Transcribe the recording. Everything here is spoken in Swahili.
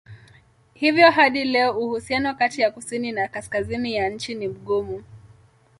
Hivyo hadi leo uhusiano kati ya kusini na kaskazini ya nchi ni mgumu.